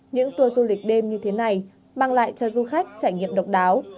những tour du lịch đêm như thế này mang lại cho du khách trải nghiệm độc đáo